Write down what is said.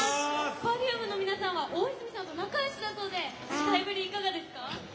Ｐｅｒｆｕｍｅの皆さんは大泉さんと仲よしだそうで司会ぶり、いかがですか？